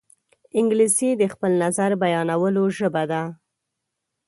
انګلیسي د خپل نظر بیانولو ژبه ده